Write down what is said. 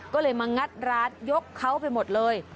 ก็เลยมางัดร้านยกเขาไปหมดเลย